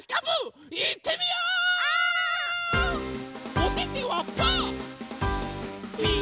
おててはパー。